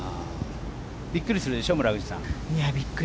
びっくりするでしょ村口さん。